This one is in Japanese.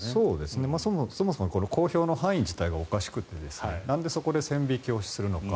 そもそも公表の範囲自体がおかしくてなんでそこで線引きをするのか。